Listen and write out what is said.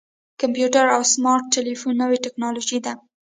کمپیوټر او سمارټ ټلیفون نوې ټکنالوژي ده.